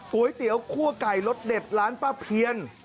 ก๋วยเตี๋ยวคั่วไก่รสเด็ดร้านป้าเพียน